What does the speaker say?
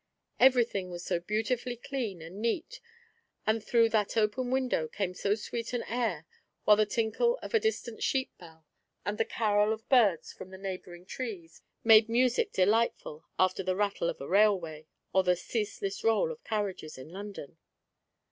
Everything was so beautifully clean and neat, and through that open window came so sweet an air; while the tinkle of a distant sheep bell, and the carol of birds from the neighbouring trees, made music delightful, after the rattle of a railway, or the ceaseless roll of carriages in London.